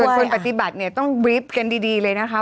ส่วนคนปฏิบัติเนี่ยต้องบริฟต์กันดีเลยนะคะ